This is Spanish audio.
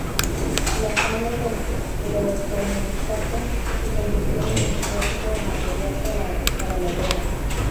Las aulas del protomedicato se convirtieron en depósito de material para la guerra.